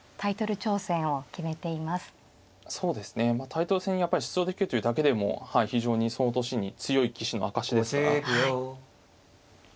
タイトル戦やっぱり出場できるっていうだけでも非常にその年に強い棋士の証しですから。